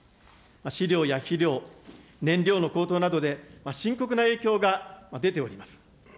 飼料や肥料、燃料の高騰などで深刻な影響が出ております。